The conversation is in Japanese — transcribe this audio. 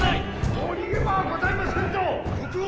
もう逃げ場はございませんぞ国王！